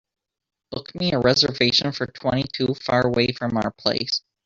Book me a reservation for twenty two faraway from our place